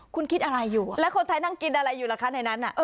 คุณคิดอะไรอยู่แล้วคนไทยนั่งกินอะไรอยู่ล่ะคะในนั้น